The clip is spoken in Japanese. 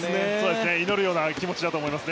祈るような気持ちだと思います。